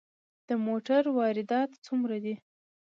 د موټرو واردات څومره دي؟